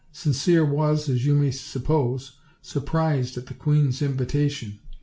Sincere was, as you may suppose, surprised at the queen's invitation.